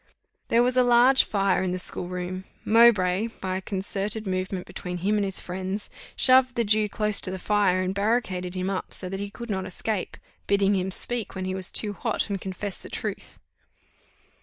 There was a large fire in the school room; Mowbray, by a concerted movement between him and his friends, shoved the Jew close to the fire, and barricadoed him up, so that he could not escape, bidding him speak when he was too hot, and confess the truth.